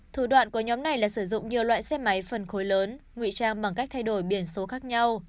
thủ đoạn của nhóm này là sử dụng nhiều loại xe máy phân khối lớn nguy trang bằng cách thay đổi biển số khác nhau